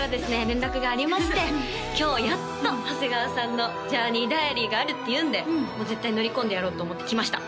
連絡がありまして今日やっと長谷川さんのＪｏｕｒｎｅｙＤｉａｒｙがあるっていうんでもう絶対乗り込んでやろうと思って来ました